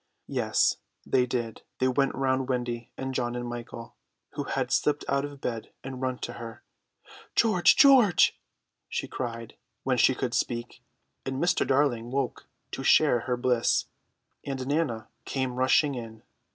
Yes, they did, they went round Wendy and John and Michael, who had slipped out of bed and run to her. "George, George!" she cried when she could speak; and Mr. Darling woke to share her bliss, and Nana came rushing in.